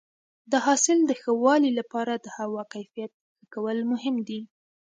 د حاصل د ښه والي لپاره د هوا کیفیت ښه کول مهم دي.